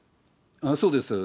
そうです。